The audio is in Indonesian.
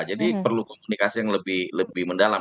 jadi perlu komunikasi yang lebih mendalam